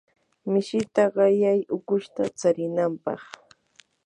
mishita qayay ukushta tsarinanpaq.